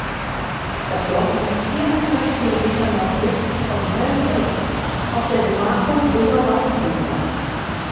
Das Dorf liegt viereinhalb Kilometer nordwestlich von Helmbrechts auf der Gemarkung Oberweißenbach.